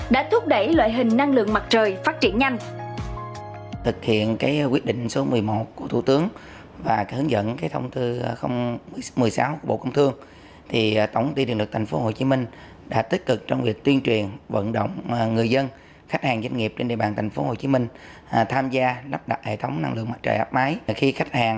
đã thúc đẩy loại hình năng lượng mặt trời phát triển nhanh